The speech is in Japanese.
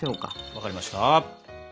分かりました！